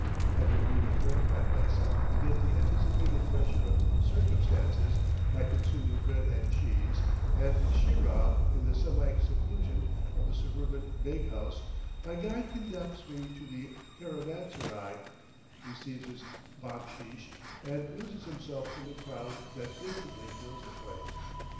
Having duly fortified myself against the anticipated pressure of circumstances by consuming bread and cheese and sheerah in the semi seclusion of a suburban bake house, my guide conducts me to the caravanserai, receives his backsheesh, and loses himself in the crowd that instantly fills the place.